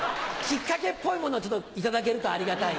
きっかけっぽいものをちょっと頂けるとありがたい。